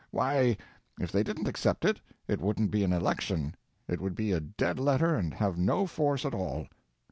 Why, if they didn't accept it, it wouldn't be an election, it would be a dead letter and have no force at all.